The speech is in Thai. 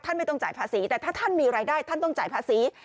ไม่ต้องจ่ายภาษีแต่ถ้าท่านมีรายได้ท่านต้องจ่ายภาษี